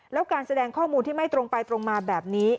แล้วการแสดงข้อมูลที่ไม่ตรงไปตรงมาแบบนี้